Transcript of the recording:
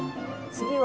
次は。